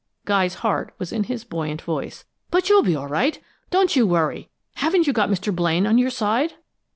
Guy's heart was in his buoyant voice. "But you'll be all right. Don't you worry! Haven't you got Mr. Blaine on your side?"